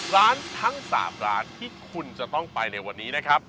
ทั้ง๓ร้านที่คุณจะต้องไปในวันนี้นะครับ